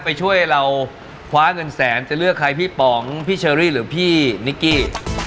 ไปช่วยเราคว้าเงินแสนจะเลือกใครพี่ป๋องพี่เชอรี่หรือพี่นิกกี้